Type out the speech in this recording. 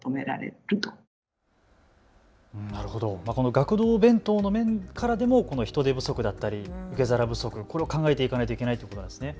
学童弁当の面からでも人手不足だったり受け皿不足、これを考えていかないといけないということですね。